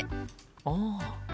ああ。